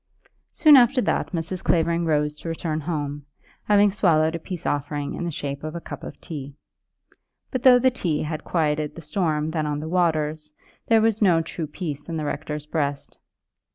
Soon after that Mrs. Clavering rose to return home, having swallowed a peace offering in the shape of a cup of tea. But though the tea had quieted the storm then on the waters, there was no true peace in the rector's breast.